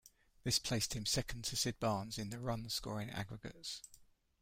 This placed him second to Sid Barnes in the run-scoring aggregates.